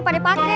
pak de pake